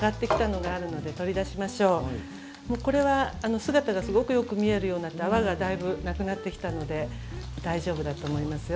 もうこれは姿がすごくよく見えるようになって泡がだいぶなくなってきたので大丈夫だと思いますよ。